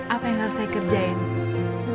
apa yang harus saya kerjain